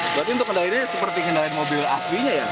berarti untuk kendali ini seperti kendalian mobil aslinya ya